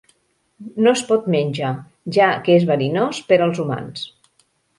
No es pot menja, ja que és verinós per als humans.